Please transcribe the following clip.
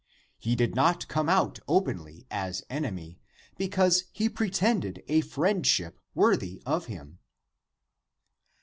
He did not come out openly as enemy, because he pretended a friendship worthy of him.